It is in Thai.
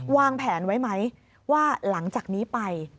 วางแผนไว้ไหมว่าหลังจากนี้ไป